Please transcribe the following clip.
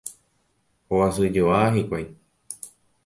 Hovasyjoa hikuái.